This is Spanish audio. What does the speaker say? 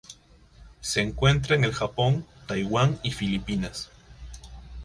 Se encuentra en el Japón, Taiwán y Filipinas.